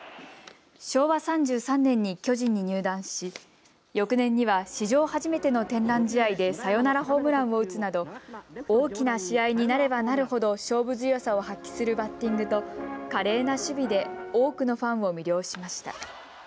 昭和３３年に巨人に入団し翌年には史上初めての天覧試合でサヨナラホームランを打つなど大きな試合になればなるほど勝負強さを発揮するバッティングと華麗な守備で多くのファンを魅了しました。